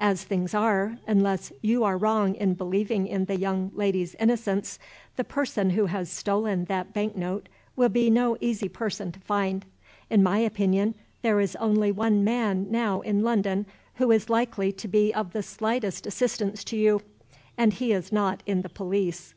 As things are, unless you are wrong in believing in the young lady's innocence, the person who has stolen that bank note will be no easy person to find. In my opinion, there is only one man now in London who is likely to be of the slightest assistance to you and he is not in the police."